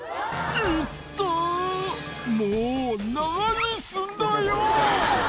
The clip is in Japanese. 「痛ったもう何すんだよ！」